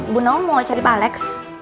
bu nawang mau cari pak alex